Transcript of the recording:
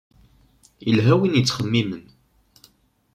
Yelha win yettxemmimen.